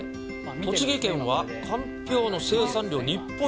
栃木県はかんぴょうの生産量日本一。